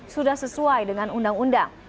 sudah sesuai dengan undang undang